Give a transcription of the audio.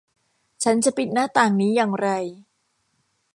ฉันจะปิดหน้าต่างนี้อย่างไร